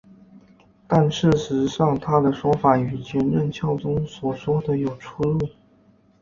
但事实上他的说法与前任教宗所说的有出入。